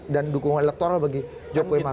dan dukungan elektoral bagi jokowi ma'ruf